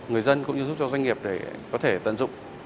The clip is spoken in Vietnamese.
giúp cho doanh nghiệp tận dụng